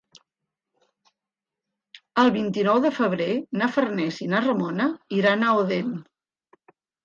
El vint-i-nou de febrer na Farners i na Ramona iran a Odèn.